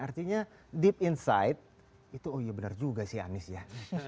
artinya deep inside itu benar juga sih anies ya